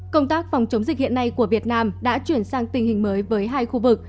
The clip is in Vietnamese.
công tác phòng chống dịch hiện nay của việt nam đã chuyển sang tình hình mới với hai khu vực